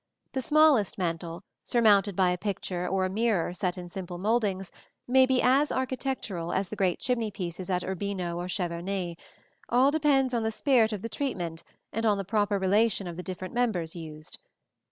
The smallest mantel, surmounted by a picture or a mirror set in simple mouldings, may be as architectural as the great chimney pieces at Urbino or Cheverny: all depends on the spirit of the treatment and on the proper relation of the different members used.